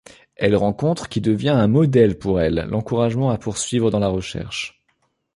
Elle rencontre qui devient un modèle pour elle, l'encourageant à poursuivre dans la recherche.